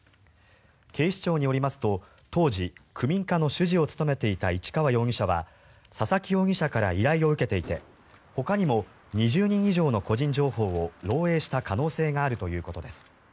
警視庁によりますと当時、区民課の主事を務めていた市川容疑者は佐々木容疑者から依頼を受けていてほかにも２０人以上の個人情報を漏えいした可能性があるということです。